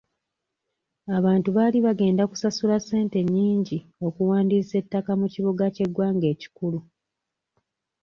Abantu baali bagenda kusasula ssente nnyingi okuwandiisa ettaka mu kibuga ky'eggwanga ekikulu.